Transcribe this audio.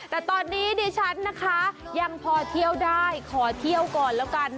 แต่ตอนนี้ดิฉันนะคะยังพอเที่ยวได้ขอเที่ยวก่อนแล้วกัน